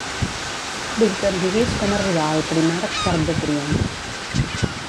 Vull que em diguis com arribar al Primark d'Arc de Triomf.